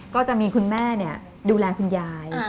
ก็จะมีคุณแม่ดูแลคุณยาย